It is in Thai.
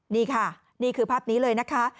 นี่ค่ะนี่คือภาพนี้เลยนะคะ